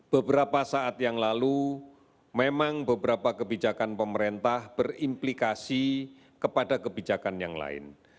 beberapa saat yang lalu memang beberapa kebijakan pemerintah berimplikasi kepada kebijakan yang lain